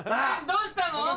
どうしたの？